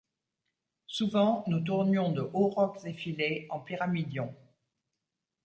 Souvent nous tournions de hauts rocs effilés en pyramidions.